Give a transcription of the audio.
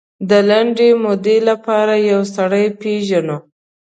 د لنډې مودې لپاره یو سړی پېژنو.